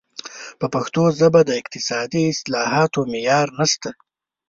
په پښتو ژبه د اقتصادي اصطلاحاتو معیار نشته.